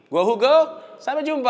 gue hugo sampai jumpa